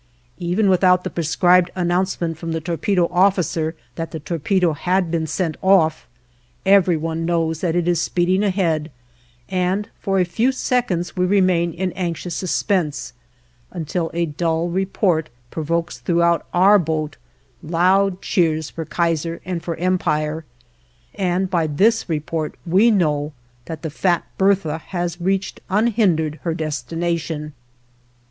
Even without the prescribed announcement from the torpedo officer that the torpedo had been set off, every one knows that it is speeding ahead, and for a few seconds we remain in anxious suspense, until a dull report provokes throughout our boat loud cheers for Kaiser and for Empire, and by this report we know that "the fat Bertha" has reached unhindered her destination.